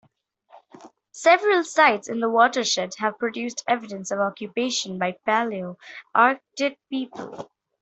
Several sites in the watershed have produced evidence of occupation by Paleo-Arctic people.